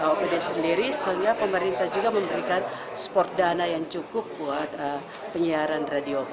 opd sendiri sehingga pemerintah juga memberikan sport dana yang cukup buat penyiaran radio